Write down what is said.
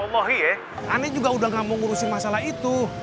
saya juga udah gak mau ngurusin masalah itu